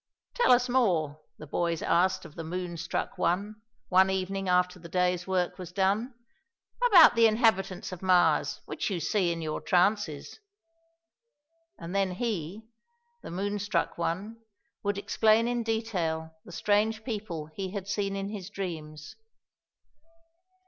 "Tell us more," the boys asked of the Moon Struck One, one evening after the day's work was done, "about the inhabitants of Mars, which you see in your trances." And then he the Moon Struck One would explain in detail the strange people he had seen in his dreams.